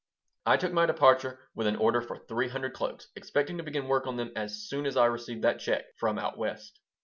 I took my departure with an order for three hundred cloaks, expecting to begin work on them as soon as I received that check "from out West."